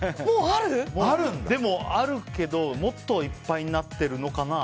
でも、あるけどもっといっぱいになってるのかな。